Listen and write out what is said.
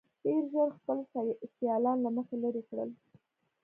ډېر ژر خپل سیالان له مخې لرې کړل.